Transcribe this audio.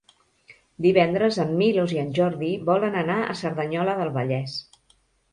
Divendres en Milos i en Jordi volen anar a Cerdanyola del Vallès.